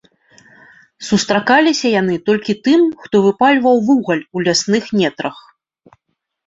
Сустракаліся яны толькі тым, хто выпальваў вугаль у лясных нетрах.